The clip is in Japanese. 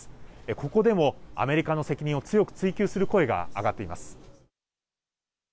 ここでもアメリカの責任を強く追及する声が上がっています。